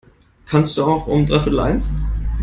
Kannst du auch um dreiviertel eins?